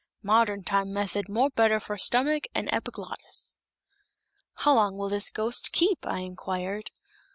Modern time method more better for stomach and epiglottis." "How long will this ghost keep?" I inquired.